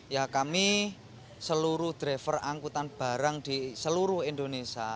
ya kami seluruh driver angkutan barang di seluruh indonesia